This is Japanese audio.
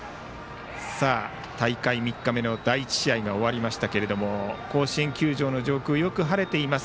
大会３日目の第１試合が終わりましたが甲子園球場の上空よく晴れています。